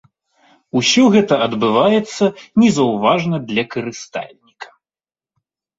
Усё гэта адбываецца незаўважна для карыстальніка.